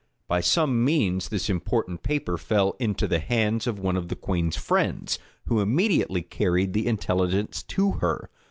By some means this important paper fell into the hands of one of the queen's friends, who immediately carried the intelligence to her.